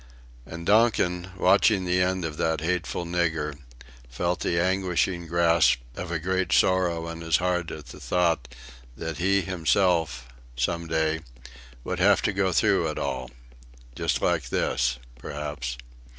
And Donkin, watching the end of that hateful nigger, felt the anguishing grasp of a great sorrow on his heart at the thought that he himself, some day, would have to go through it all just like this perhaps!